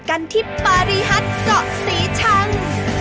กันที่ปาริฮัทเกาะศรีชัง